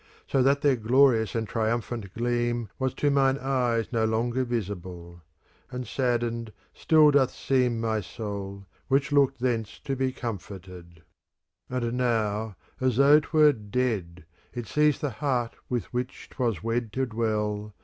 So that their glorious and triumphant gleam Was to mine eyes no longer visible : And saddened still doth seem My soul, which looked thence to be com forted, ^ And now, as though 'twere dead. It sees the heart with which 'twas wed to dwell.